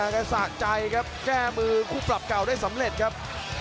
สะใจครับแก้มือคู่ปรับเก่าได้สำเร็จครับ